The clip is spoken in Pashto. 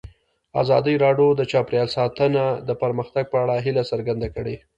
ازادي راډیو د چاپیریال ساتنه د پرمختګ په اړه هیله څرګنده کړې.